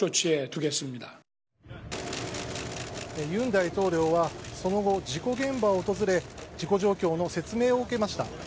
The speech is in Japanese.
尹大統領はその後、事故現場を訪れ事故状況の説明を受けました。